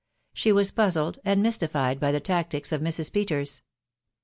She was puzzled and mystified by the tactics of Mrs. Peters.